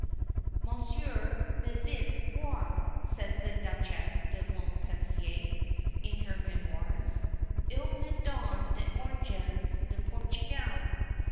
"Monsieur, me vint voir," says the Duchesse de Montpensier, in her Memoirs, "il me donne des oranges de Portugal."